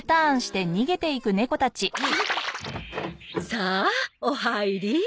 さあお入り。